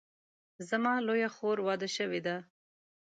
زما لویه خور واده شوې ده